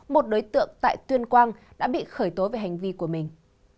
một đối tượng tại tuyên quang đã bị khởi tố về hành vi của mình